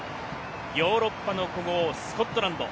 ヨーロッパの古豪、スコットランド。